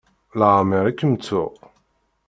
Leɛmeɛ i kem-ttuɣ.